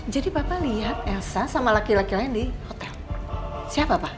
jadi papa lihat elsa sama laki laki lain di hotel siapa papa